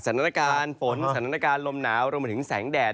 สถานการณ์ฝนสถานการณ์ลมหนาวรวมไปถึงแสงแดด